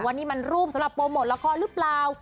ว่านี่มันรูปสำหรับโปรโมทละครหรือเปล่า